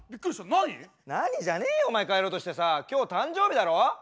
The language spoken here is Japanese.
何じゃねえよお前帰ろうとしてさ今日誕生日だろ？